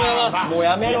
もうやめろ。